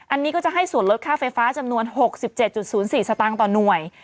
อันนี้ก็จะให้ส่วนลดค่าไฟฟ้าจำนวน๖๗๐๔สตางค์ต่อหน่วย